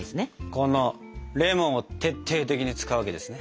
このレモンを徹底的に使うわけですね。